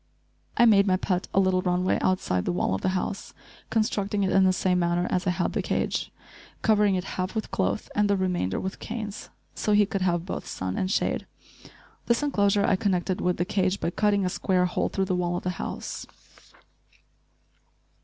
I made my pet a little run way outside the wall of the house, constructing it in the same manner as I had the cage, covering it half with cloth and the remainder with canes so he could have both sun and shade. This enclosure I connected with the cage by cutting a square hole through the wall of the house.